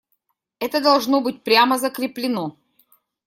Это должно быть прямо закреплено.